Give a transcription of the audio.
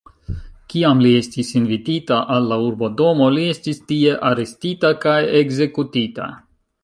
Kiam li estis invitita al la urbodomo, li estis tie arestita kaj ekzekutita.